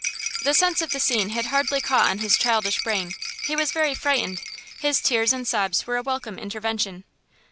The sense of the scene had hardly caught on his childish brain; he was very frightened; his tears and sobs were a welcome intervention.